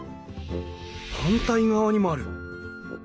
反対側にもある。